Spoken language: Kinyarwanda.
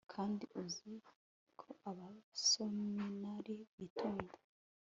kandi uzi ko abasominali bitonda